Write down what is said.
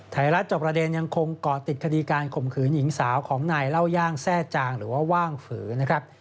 ไทยรัฐจอบประเด็นยังคงก่อติดคดีการข่มขืนหญิงสาวของนายเล่าย่างแทร่จางหรือว่าว่างฝือนะครับ